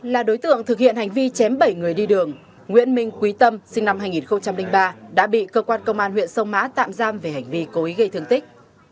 là đối tượng thực hiện hành vi chém bảy người đi đường nguyễn minh quý tâm sinh năm hai nghìn ba đã bị cơ quan công an huyện sông mã tạm giam về hành vi cố ý gây thương tích